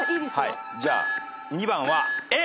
じゃあ２番は。